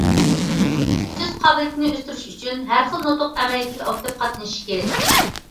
سۆز قابىلىيىتىنى ئۆستۈرۈش ئۈچۈن، ھەر خىل نۇتۇق ئەمەلىيىتىگە ئاكتىپ قاتنىشىش كېرەك.